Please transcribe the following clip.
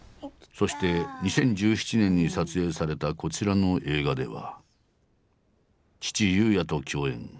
そして２０１７年に撮影されたこちらの映画では父裕也と共演。